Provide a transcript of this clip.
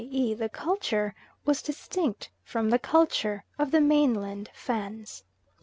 e. the culture, was distinct from the culture of the mainland Fans.